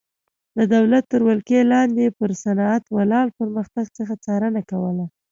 د دولت تر ولکې لاندې پر صنعت ولاړ پرمختګ څخه څارنه کوله.